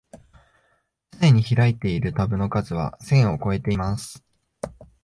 つねに開いているタブの数は千をこえてます